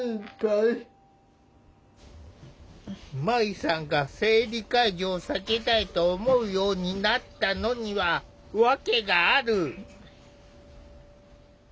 まいさんが生理介助を避けたいと思うようになったのには訳がある。